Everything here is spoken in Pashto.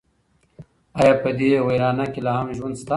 ایا په دې ویرانه کې لا هم ژوند شته؟